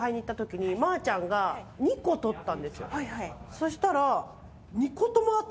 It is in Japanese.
そしたら。